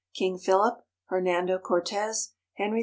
_ KING PHILIP. HERNANDO CORTEZ. HENRY IV.